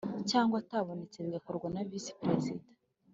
cyangwa atabonetse bigakorwa na Visi Perezida